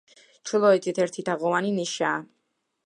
ჩრდილოეთით ერთი თაღოვანი ნიშაა.